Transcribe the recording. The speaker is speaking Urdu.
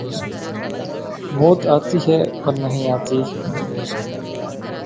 موت آتی ہے پر نہیں آتی